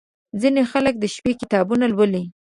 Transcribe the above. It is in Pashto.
• ځینې خلک د شپې کتابونه لولي.